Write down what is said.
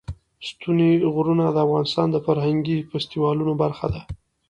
ستوني غرونه د افغانستان د فرهنګي فستیوالونو برخه ده.